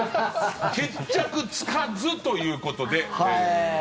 決着つかずということで。